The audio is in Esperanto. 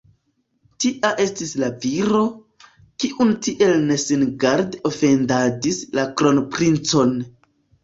Tia estis la viro, kiun tiel nesingarde ofendadis la kronprinco.